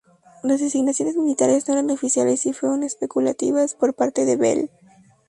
Las designaciones militares no eran oficiales y fueron especulativas por parte de Bell.